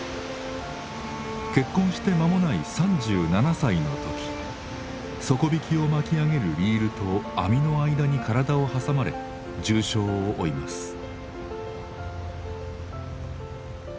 結婚して間もない３７歳の時底引きを巻き上げるリールと網の間に体を挟まれ重傷を負います。